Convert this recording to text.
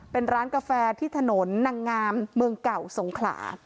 เป็นร้านกาแฟที่ถนนนางงามเมืองเก่าสงขลา